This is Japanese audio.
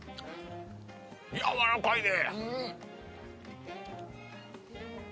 やわらかいで。